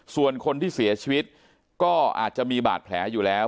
ส่วนคนที่เสียชีวิตก็อาจจะมีบาดแผลอยู่แล้ว